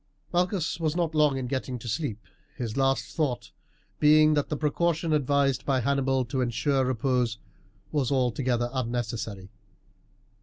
Malchus was not long in getting to sleep, his last thought being that the precaution advised by Hannibal to ensure repose was altogether unnecessary.